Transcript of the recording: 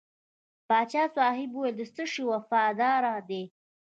پاچا صاحب وویل د څه شي وفاداره دی.